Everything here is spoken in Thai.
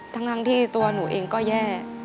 ทั้งที่ตัวหนูเองก็แย่